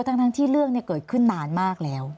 ธังที่เรื่องเนี่ยก็เกิดขึ้นงานมากแล้ว